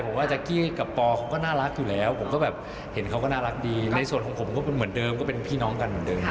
ผมว่าแจ๊กกี้กับปอเขาก็น่ารักอยู่แล้วผมก็แบบเห็นเขาก็น่ารักดีในส่วนของผมก็เป็นเหมือนเดิมก็เป็นพี่น้องกันเหมือนเดิม